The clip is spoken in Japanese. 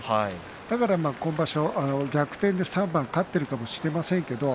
だから今場所、逆転で３番勝っているのかもしれませんけれども。